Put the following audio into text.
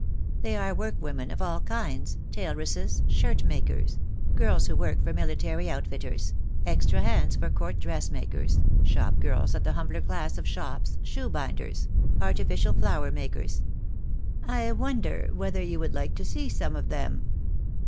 They are workwomen of all kinds, tailoresses, shirt makers, girls who work for military outfitters, extra hands for Court dressmakers, shop girls at the humbler class of shops, shoe binders, artincial nWer makers. I wonder whether you would like to see some of them."